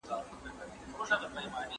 ¬ د مسلمانانو زړونه سره سوري وي.